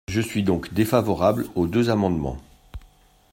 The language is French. Je suis donc défavorable aux deux amendements.